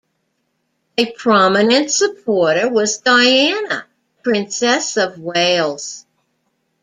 A prominent supporter was Diana, Princess of Wales.